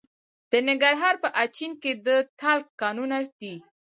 د ننګرهار په اچین کې د تالک کانونه دي.